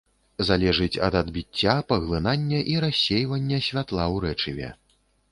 Залежыць ад адбіцця, паглынання і рассейвання святла ў рэчыве.